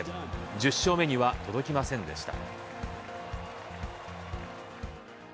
１０勝目には届きませんでした。